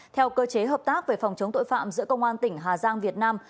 theo cơ chế hợp tác về phòng chống tội phạm giữa công an tỉnh hà giang việt nam